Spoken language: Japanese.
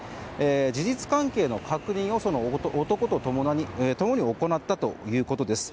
事実関係の確認を男と共に行ったということです。